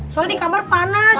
soalnya di kamar panas